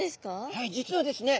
はい実はですね